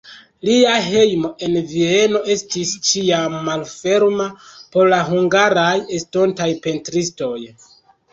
Lia hejmo en Vieno estis ĉiam malferma por la hungaraj estontaj pentristoj.